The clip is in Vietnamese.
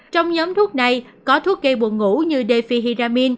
trong nhóm thuốc này có thuốc gây buồn ngủ như defihiramin